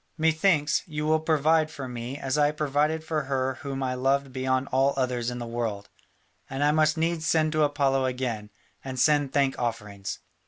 Methinks, you will provide for me as I provided for her whom I loved beyond all others in the world, and I must needs send to Apollo again, and send thank offerings."